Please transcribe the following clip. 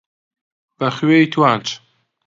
بە خوێی توانج